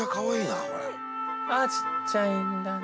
あっ小っちゃいんだね。